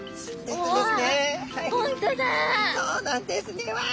そうなんですねうわ。